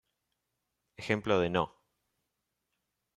Ejemplo de No.